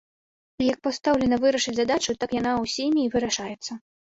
І як пастаўлена вырашаць задачу, так яна ўсімі і вырашаецца.